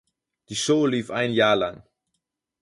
Die Show lief ein Jahr lang.